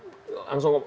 biasanya seperti apa